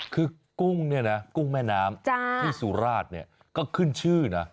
คือกุ้งเนี่ยนะกุ้งแม่น้ำที่สุราชเนี่ยก็ขึ้นชื่อนะ